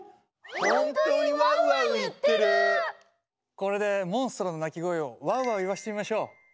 これでモンストロの鳴き声をワウワウ言わせてみましょう！